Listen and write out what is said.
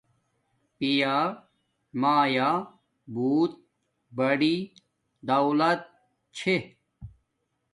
پیا مایا بوت بڑی دولت چھے